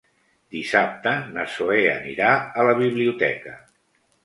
Dissabte na Zoè anirà a la biblioteca.